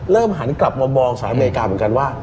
เริ่มหันกลับมามองสหะเมริกาเหมือนกันว่า